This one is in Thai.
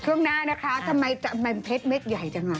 ช่วงหน้านะคะทำไมมันเพชรเม็ดใหญ่จังอ่ะ